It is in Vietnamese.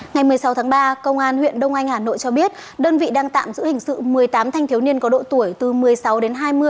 ngày một mươi sáu tháng ba công an huyện đông anh hà nội cho biết đơn vị đang tạm giữ hình sự một mươi tám thanh thiếu niên có độ tuổi từ một mươi sáu đến hai mươi